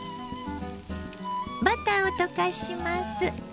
バターを溶かします。